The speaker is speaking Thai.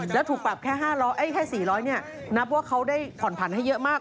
แล้วถูกปรับแค่๕๐๐แค่๔๐๐นับว่าเขาได้ผ่อนผันให้เยอะมาก